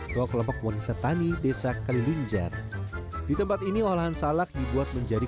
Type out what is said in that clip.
tua kelompok wanita tani desa kalilinjar di tempat ini olahan salak dibuat menjadi